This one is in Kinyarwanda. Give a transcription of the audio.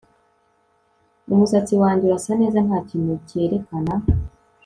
Umusatsi wanjye urasa neza nta kintu cyerekana